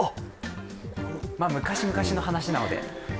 昔、昔の話なので。